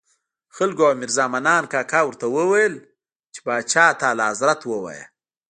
خلکو او میرزا منان کاکا ورته ویل چې پاچا ته اعلیحضرت ووایه.